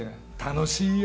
楽しいよ！